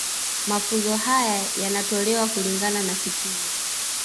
Mafunzo haya yanatolewa kulingana na kitivo